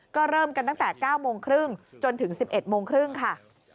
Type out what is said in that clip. ก็เริ่มกันตั้งแต่๙โมงครึ่งจนถึง๑๑โมงครึ่งค่ะ